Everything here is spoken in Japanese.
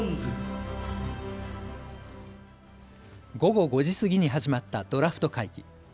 午後５時過ぎに始まったドラフト会議。